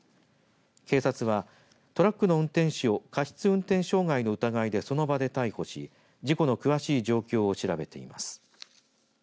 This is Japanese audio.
警察は、トラックの運転手を過失運転傷害の疑いでその場で逮捕し事故の詳しい状況を調べています。